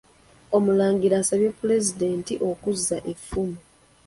Omulangira asabye Pulezidenti okuzza effumu.